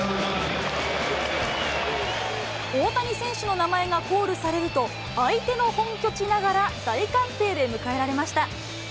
大谷選手の名前がコールされると、相手の本拠地ながら、大歓声で迎えられました。